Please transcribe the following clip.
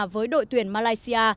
với đội tuyển malaysia